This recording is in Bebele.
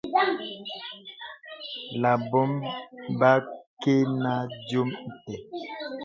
Lə̀k bò bə kə nə diōm itə̀.